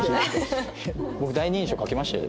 僕第二印象書きましたよ。